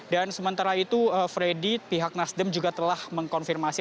dan sementara itu freddy pihak nasdem juga telah mengkonfirmasi